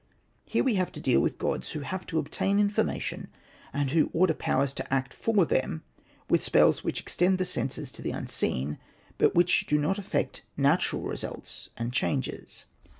Here we have to deal with gods who have to obtain information, and who order powers to act for them, with spells which extend the senses to the unseen, but which do not affect natural results and changes.